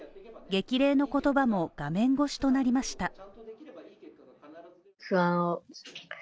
激励の言葉も画面越しとなりました。